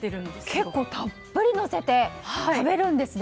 結構、たっぷりのせて食べるんですね。